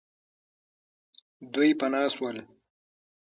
دوی پنا سول.